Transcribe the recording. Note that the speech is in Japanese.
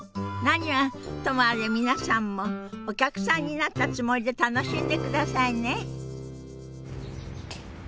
何はともあれ皆さんもお客さんになったつもりで楽しんでくださいね。